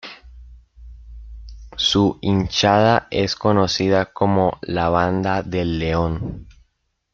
Su hinchada es conocida como la "Banda del León".